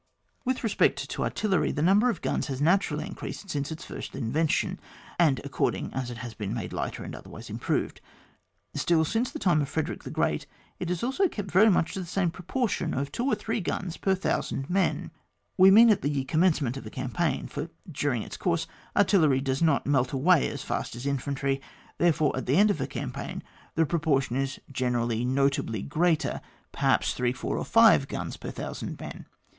With respect to artillery, the number of guns has naturally increased since its first invention, and according as it has been made lighter and otherwise im proved ; still since the time of Frederick the Great, it has also kept very much to the same proportion of two or three guns per 1,000 men, we mean at the com mencement of a campaign ; for during its coarse artillery does not melt away as fast as infantry, therefore at the end of a campaign the proportion is generally notably greater, perhaps thxee, four, or five guns per 1,000 men.